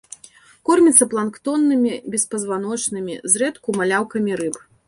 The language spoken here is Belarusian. Кормяцца планктоннымі беспазваночнымі, зрэдку маляўкамі рыб.